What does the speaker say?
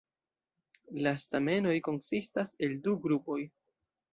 La stamenoj konsistas el du grupoj.